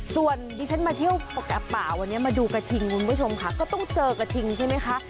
ส่วนที่ฉันมาเที่ยวป่าวันนี้มาดูกระทิงคุณผู้ชมค่ะก็ต้องเจอกระทิงใช่ไหมคะ